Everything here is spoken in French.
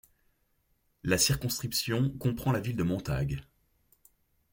La circonscription comprend la ville de Montague.